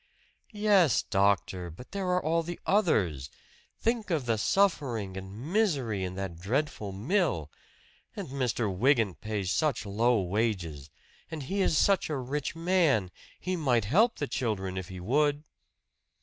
"Yes, doctor! But there are all the others! Think of the suffering and misery in that dreadful mill! And Mr. Wygant pays such low wages. And he is such a rich man he might help the children if he would."